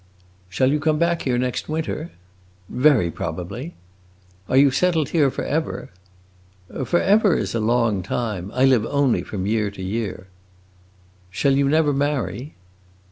"Shall you come back here next winter?" "Very probably." "Are you settled here forever?" "'Forever' is a long time. I live only from year to year." "Shall you never marry?"